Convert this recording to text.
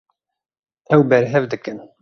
Ew berhev dikin.